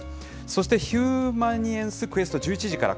そしてヒューマニエンスクエスト、１１時から。